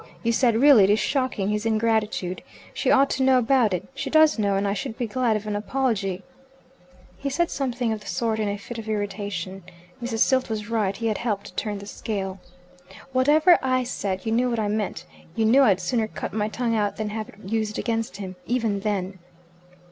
You said, 'Really it is shocking, his ingratitude. She ought to know about it' She does know, and I should be glad of an apology." He had said something of the sort in a fit of irritation. Mrs. Silt was right he had helped to turn the scale. "Whatever I said, you knew what I meant. You knew I'd sooner cut my tongue out than have it used against him. Even then."